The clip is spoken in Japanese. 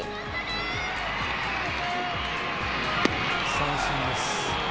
三振です。